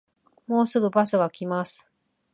もうすぐバスが来ます